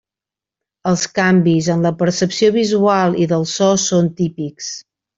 Els canvis en la percepció visual i del so són típics.